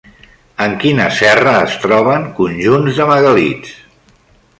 En quina serra es troben conjunts de megàlits?